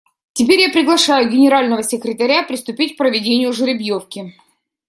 Теперь я приглашаю Генерального секретаря приступить к проведению жеребьевки.